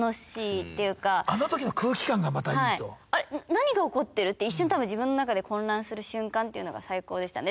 何が起こってる？って一瞬多分自分の中で混乱する瞬間っていうのが最高でしたね。